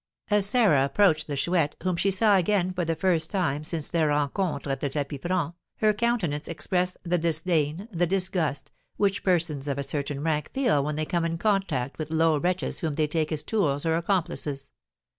'" As Sarah approached the Chouette, whom she saw again for the first time since their rencontre at the tapis franc, her countenance expressed the disdain, the disgust, which persons of a certain rank feel when they come in contact with low wretches whom they take as tools or accomplices.